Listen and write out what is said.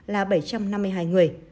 là bảy trăm năm mươi hai người